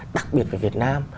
đặc biệt về việt nam